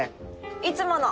いつもの。